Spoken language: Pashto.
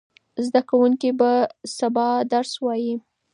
زده کوونکي به سبا درس وایي.